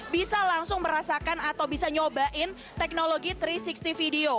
bisa langsung merasakan atau bisa nyobain teknologi tiga ratus enam puluh video